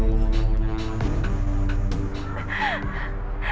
dia harus tahu semua ini